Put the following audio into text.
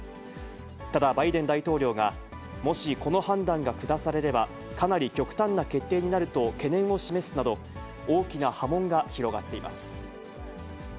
ただ、バイデン大統領が、もしこの判断が下されれば、かなり極端な決定になると懸念を示すなど、大きな波紋が広がっています。